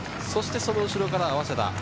そしてその後ろから早稲田。